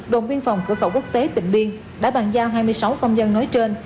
đồn biên phòng cửa khẩu quốc tế tịnh biên đã bàn giao hai mươi sáu công dân nói trên